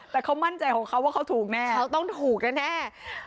แต่เขามั่นใจของเขาว่าเขาถูกแน่เขาต้องถูกแน่